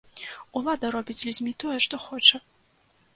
Улада робіць з людзьмі тое, што хоча.